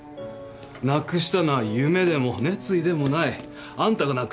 なくしたのは夢でも熱意でもない。あんたがなくしたのは。